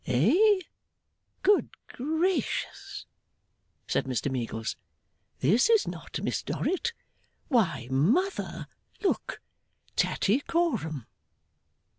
'Eh? Good gracious!' said Mr Meagles, 'this is not Miss Dorrit! Why, Mother, look! Tattycoram!